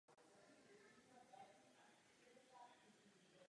Mohu tak učinit s klidným svědomím.